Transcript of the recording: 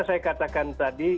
seperti yang saya katakan tadi